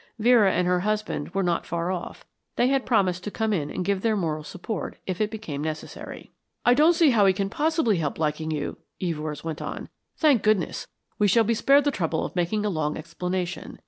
Vera and her husband were not far off; they had promised to come in and give their moral support if it became necessary. "I don't see how he can possibly help liking you," Evors went on. "Thank goodness, we shall be spared the trouble of making a long explanation.